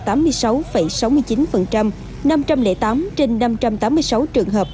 trên năm trăm tám mươi sáu trường hợp